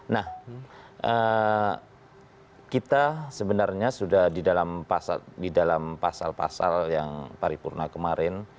nah kita sebenarnya sudah di dalam pasal pasal yang paripurna kemarin